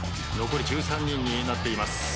残り１３人になっています。